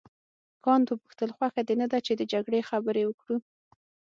کانت وپوښتل خوښه دې نه ده چې د جګړې خبرې وکړو.